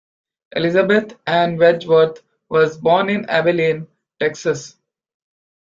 Elizabeth Ann Wedgeworth was born in Abilene, Texas.